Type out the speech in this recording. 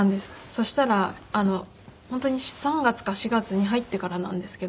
そしたら本当に３月か４月に入ってからなんですけど。